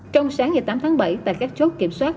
trong sáng ngày tám tháng bảy tại các chốt kiểm soát